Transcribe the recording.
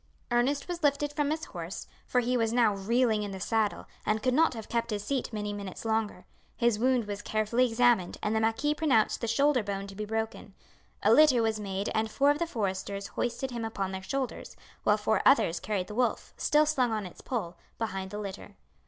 Ernest was lifted from his horse, for he was now reeling in the saddle, and could not have kept his seat many minutes longer. His wound was carefully examined, and the marquis pronounced the shoulder bone to be broken. A litter was made and four of the foresters hoisted him upon their shoulders, while four others carried the wolf, still slung on its pole, behind the litter.